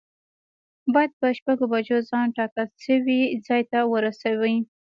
باید په شپږو بجو ځان ټاکل شوي ځای ته ورسوی.